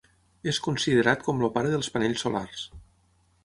És considerat com el pare dels panells solars.